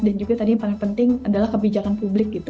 dan juga tadi yang paling penting adalah kebijakan publik gitu